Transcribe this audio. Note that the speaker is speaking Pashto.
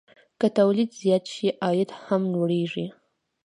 که تولید زیات شي، عاید هم لوړېږي.